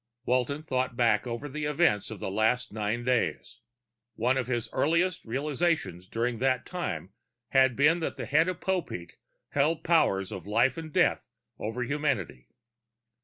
Walton thought back over the events of the last nine days. One of his earliest realizations during that time had been that the head of Popeek held powers of life and death over humanity.